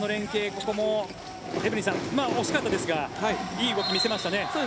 ここもエブリンさん惜しかったですがいい動きを見せましたね。